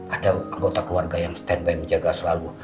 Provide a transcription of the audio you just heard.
ada anggota keluarga yang stand by menjaga selalu